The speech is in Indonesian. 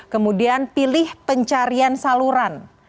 kemudian pilih pencarian saluran